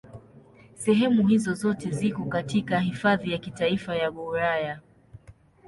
Sehemu hizo zote ziko katika Hifadhi ya Kitaifa ya Gouraya.